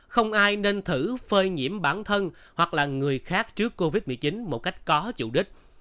không ai nên thử phơi nhiễm bản thân hoặc là người khác trước covid một mươi chín một cách có chủ đích